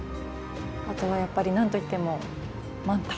あとはやっぱり何と言ってもマンタ。